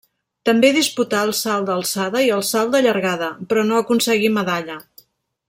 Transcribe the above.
També disputà el salt d'alçada i el salt de llargada, però no aconseguí medalla.